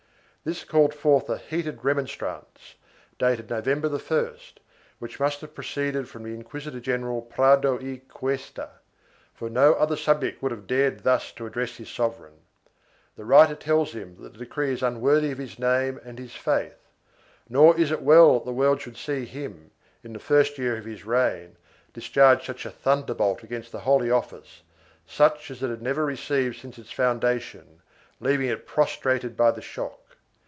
This called forth a heated remon strance, dated November 1st, which must have proceeded from the Inquisitor general Prado y Cuesta, for no other subject would have dared thus to address his sovereign. The writer tells him that the decree is unworthy of his name and his faith, nor is it well that the world should see him, in the first year of his reign, discharge such a thunderbolt against the Holy Office, such as it had never received since its foundation, leaving it prostrated by the shock.